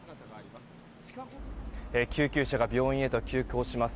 救急車が病院へと急行します。